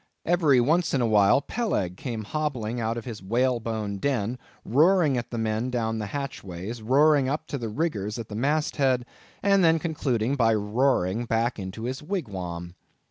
Every once in a while Peleg came hobbling out of his whalebone den, roaring at the men down the hatchways, roaring up to the riggers at the mast head, and then concluded by roaring back into his wigwam.